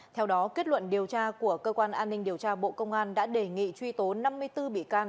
theo đó kết luận điều tra của cơ quan an ninh điều tra bộ công an